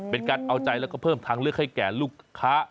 เป็นการเอาใจแล้วก็เพิ่มทางเลือกให้แก่ลูกค้า